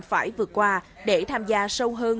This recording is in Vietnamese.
phải vượt qua để tham gia sâu hơn